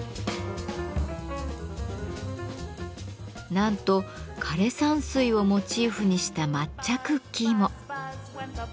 なんと枯れ山水をモチーフにした抹茶クッキーも。